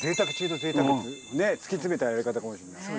突き詰めたやり方かもしれない。